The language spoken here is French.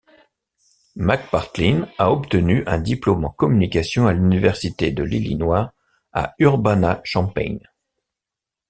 McPartlin a obtenu un diplôme en communication à l'Université de l'Illinois à Urbana-Champaign.